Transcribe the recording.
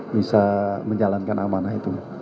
bisa menjalankan amanah itu